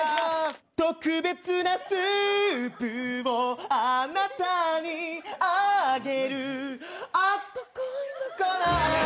特別なスープをあなたにあげるあったかいんだからぁ